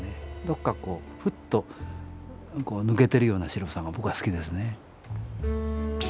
どこかこうふっと抜けてるような白さが僕は好きですね。